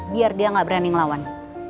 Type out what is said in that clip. biar dia gak berani ngelawan